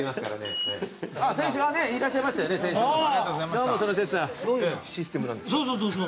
どういうシステムなんですか？